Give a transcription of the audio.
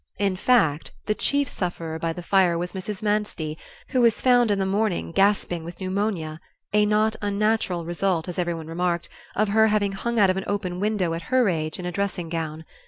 In fact, the chief sufferer by the fire was Mrs. Manstey, who was found in the morning gasping with pneumonia, a not unnatural result, as everyone remarked, of her having hung out of an open window at her age in a dressing gown.